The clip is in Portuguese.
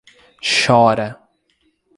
Chora